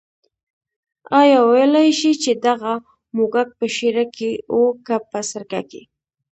آیا ویلای شې چې دغه موږک په شېره کې و که په سرکه کې.